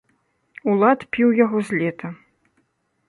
Улад піў яго з лета.